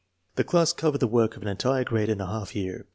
The class covered the work of an entire grade in a half year.